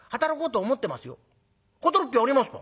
「働く気ありますか？」。